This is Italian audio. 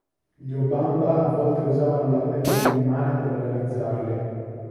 Gli Obamba a volte usavano la pelle di animale per realizzarli.